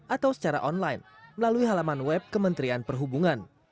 atau secara online melalui halaman web kementerian perhubungan